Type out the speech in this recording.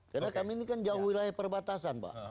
karena kami ini kan jauh wilayah perbatasan pak